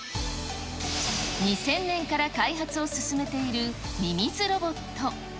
２０００年から開発を進めているミミズロボット。